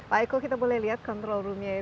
pak eko kita boleh lihat control room nya itu